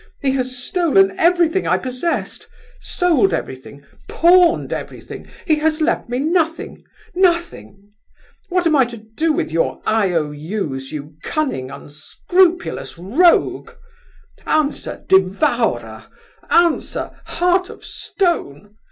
He has stolen everything I possessed, sold everything, pawned everything; he has left me nothing—nothing! What am I to do with your IOU's, you cunning, unscrupulous rogue? Answer, devourer! answer, heart of stone!